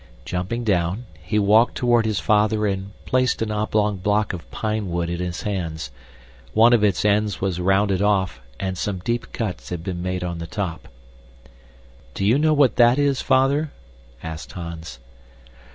Jumping down, he walked toward his father and placed an oblong block of pine wood in his hands. One of its ends was rounded off, and some deep cuts had been made on the top. "Do you know what that is, Father?" asked Hans.